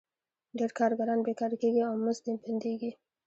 ډېر کارګران بېکاره کېږي او مزد یې بندېږي